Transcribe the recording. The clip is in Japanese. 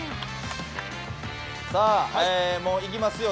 さあ、もういきますよ